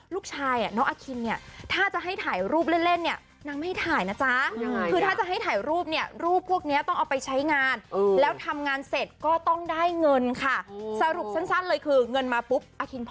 ลูกชายน้องอคิณถ้าจะให้ถ่ายรูปเล่นนี่